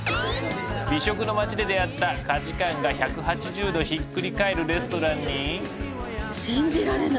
美食の街で出会った価値観が１８０度ひっくり返るレストランに。